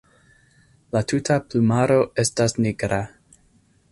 La tuta plumaro estas nigra.